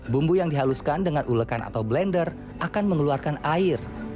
bumbu yang dihaluskan dengan ulekan atau blender akan mengeluarkan air